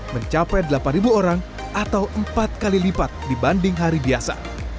mencapai delapan orang atau empat kali lipat dibanding hari biasa